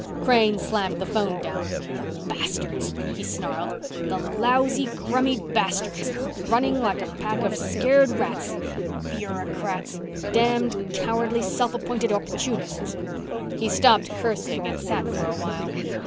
Crane slammed the phone down. "The bastards!" he snarled. "The lousy, crummy bastards. Running like a pack of scared rats. Bureaucrats! Damned, cowardly, self appointed opportunists!" He stopped cursing and sat for a while.